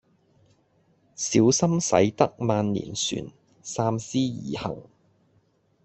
小心駛得萬年船三思而行